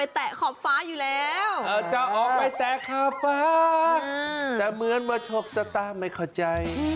แต่เหมือนว่าโชคสตาไม่เข้าใจ